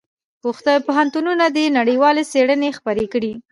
پوهنتونونه دي نړیوالې څېړنې خپرې کړي.